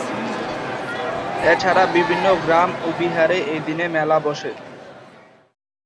এছাড়া বিভিন্ন গ্রাম ও বিহারে এই দিনে মেলা বসে।